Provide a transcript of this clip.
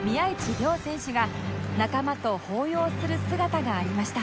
亮選手が仲間と抱擁する姿がありました